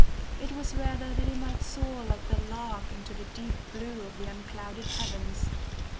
It was rather that he might soar like the lark into the deep blue of the unclouded heavens.